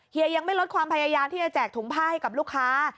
ยังไม่ลดความพยายามที่จะแจกถุงผ้าให้กับลูกค้า